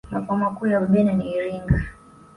makao makuu ya Wabena ni iringa